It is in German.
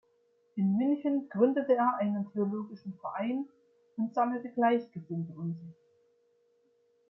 In München gründete er einen theologischen Verein und sammelte Gleichgesinnte um sich.